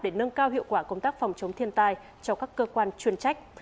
để nâng cao hiệu quả công tác phòng chống thiên tai cho các cơ quan chuyên trách